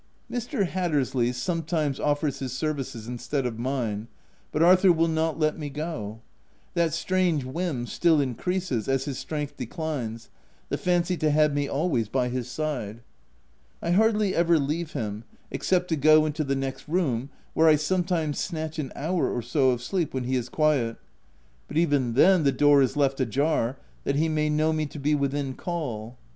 Mr. Hatter sley sometimes offers his services instead of mine, but Arthur will not let me go : that strange whim still increases, as his strength declines — the fancy to have me always by his side. I hardly ever leave him, except to go into the next room, where I sometimes snatch an hour or so of sleep when he is quiet ; but even then, the door is left ajar that he may know me to be within call.